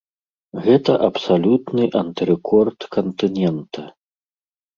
Гэта абсалютны антырэкорд кантынента.